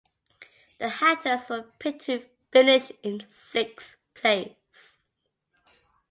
The Hatters were picked to finish in sixth place.